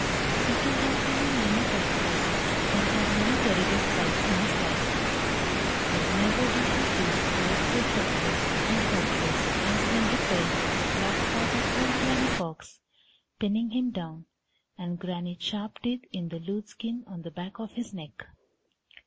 Peter has been in many tight places and had many terrible frights in his life, but never did he feel quite so helpless and hopeless as when he felt the black paws of old Granny Fox pinning him down and Granny's sharp teeth in the loose skin on the back of his neck.